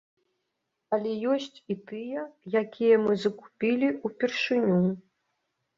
Але ёсць і тыя, якія мы закупілі упершыню.